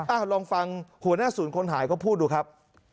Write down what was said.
ลองฟังหัวหน้าศูนย์คนหายเขาพูดดูครับ